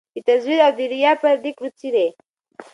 د تزویر او د ریا پردې کړو څیري